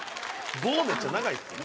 棒めっちゃ長いですね。